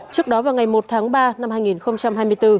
trước đó vào ngày một tháng ba năm hai nghìn hai mươi bốn